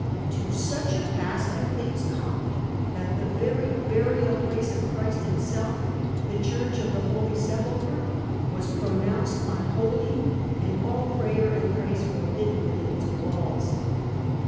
To such a pass had things come that the very burial place of Christ himself, the Church of the Holy Sepulchre, was pronounced un holy and all prayer and praise forbidden within its walls.